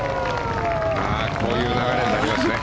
こういう流れになりますね。